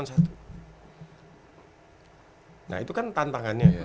nah itu kan tantangannya